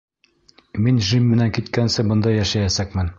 Мин Джим менән киткәнсе бында йәшәйәсәкмен.